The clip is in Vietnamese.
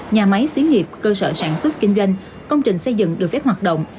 nhà máy xí nghiệp cơ sở sản xuất kinh doanh công trình xây dựng được phép hoạt động